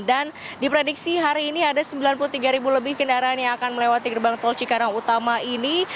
dan diprediksi hari ini ada sembilan puluh tiga ribu lebih kendaraan yang akan melewati gerbang tol cikarang utama ini